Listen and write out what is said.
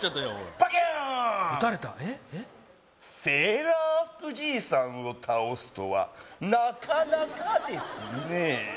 セーラー服じいさんを倒すとはなかなかですね